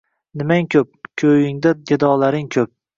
Nimang ko’p, ko’yingda gadolaring ko’p